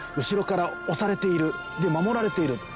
後ろから押されているで守られている。